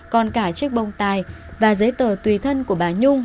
còn cả chiếc bông tai và giấy tờ tùy thân của bà nhung